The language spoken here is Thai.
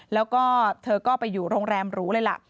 แล้วก็เธอก็ไปอยู่โรงแรมหรูเลยล่ะ